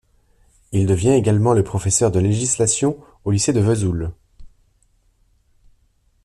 Il devient également professeur de législation au lycée de Vesoul.